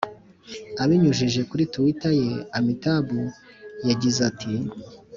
abinyujije kuri twitter ye, amitabh yagize ati